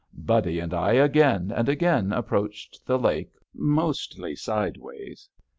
Buddy and I again and again approached the lake, mostly sideways.